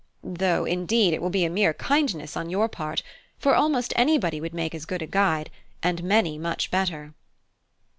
Though indeed it will be a mere kindness on your part, for almost anybody would make as good a guide, and many much better."